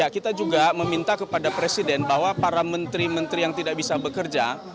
kita juga meminta kepada presiden bahwa para menteri menteri yang tidak bisa bekerja